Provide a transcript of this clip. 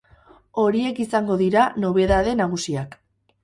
Horiek izango dira nobedade nagusiak.